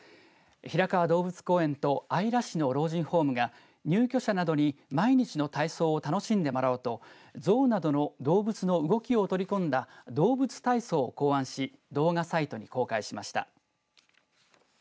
平川動物公園と姶良市の老人ホームが入居者などに毎日の体操を楽しんでもらおうと象などの動物の動きを取り込んだどうぶつ体操を考案し動画サイトに公開しました。